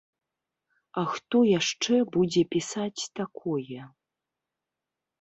А хто яшчэ будзе пісаць такое?